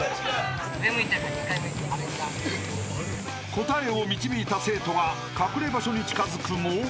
［答えを導いた生徒が隠れ場所に近づくも］